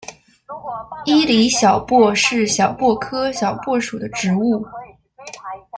伊犁小檗是小檗科小檗属的植物。